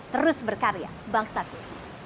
terus berkarya bangsa tu